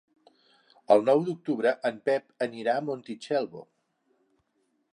El nou d'octubre en Pep anirà a Montitxelvo.